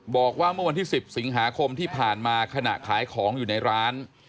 บอกว่าเมื่อวันที่๑๐สิงหาคมที่ผ่านมาขณะขายของอยู่ในร้าน